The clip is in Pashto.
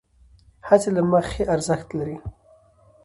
هڅې له مخې ارزښت لرې،